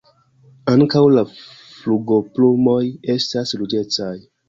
Ankaŭ la flugoplumoj estas ruĝecaj.